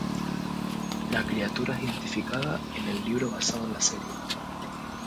La criatura es identificada en el libro basado en la serie.